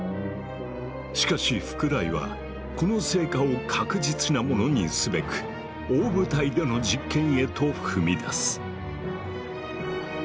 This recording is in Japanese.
しかし福来はこの成果を確実なものにすべく大舞台での実験へと踏み出す。